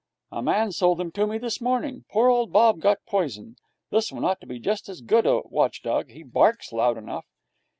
'A man sold him to me this morning. Poor old Bob got poisoned. This one ought to be just as good a watch dog. He barks loud enough.'